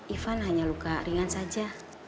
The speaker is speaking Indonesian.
ivan hanya luka ringan saja